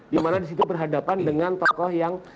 dimana disitu berhadapan dengan tokoh yang